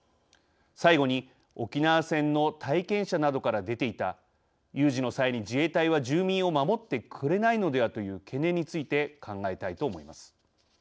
最後に、沖縄戦の体験者などから出ていた有事の際に自衛隊は住民を守ってくれないのではという懸念について考えたいと思います。